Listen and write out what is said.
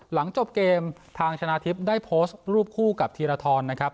หลังจบเกมทางชนะทิพย์ได้โพสต์รูปคู่กับธีรทรนะครับ